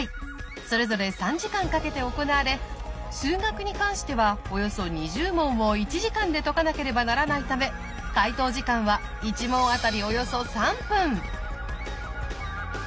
それぞれ３時間かけて行われ数学に関してはおよそ２０問を１時間で解かなければならないため解答時間は１問あたりおよそ３分！